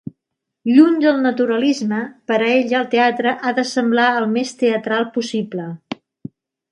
Lluny del naturalisme, per a ella el teatre ha de semblar el més teatral possible.